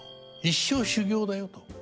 一生修業だよと。